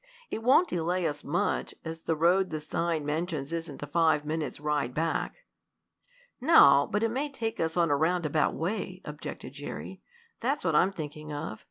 It won't delay us much, as the road the sign mentions isn't a five minutes' ride back." "No, but it may take us on a roundabout way," objected Jerry. "That's what I'm thinking of.